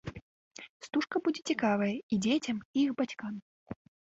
Стужка будзе цікавая і дзецям, і іх бацькам.